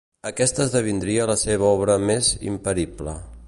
Aquesta esdevindria la seva obra més imperible.